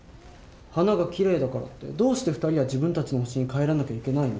花がキレイだからってどうして２人は自分たちの星に帰らなきゃいけないの？